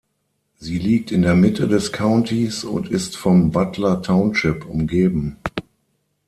Sie liegt in der Mitte des Countys und ist vom Butler Township umgeben.